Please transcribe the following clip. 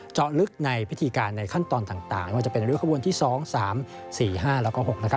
เจาะลึกในพิธีการในขั้นตอนต่างว่าจะเป็นริ้วขบวนที่๒๓๔๕แล้วก็๖นะครับ